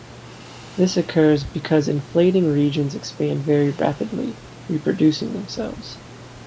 This occurs because inflating regions expand very rapidly, reproducing themselves.